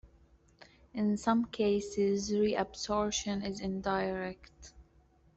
In some cases, reabsorption is indirect.